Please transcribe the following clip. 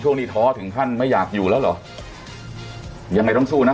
นี้ท้อถึงขั้นไม่อยากอยู่แล้วเหรอยังไงต้องสู้นะ